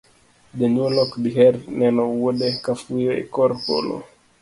Janyuol ok diher neno wuode ka fuyo e kor polo,